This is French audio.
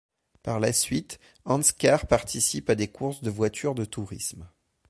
Par la suite, Andskär participe à des courses de voitures de tourisme.